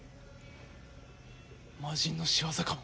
魔人の仕業かも。